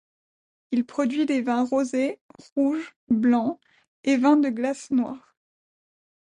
Il produit des vins rosés, rouges, blancs et vin de glace noir.